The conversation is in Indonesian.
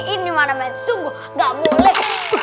ini mana main sungguh gak boleh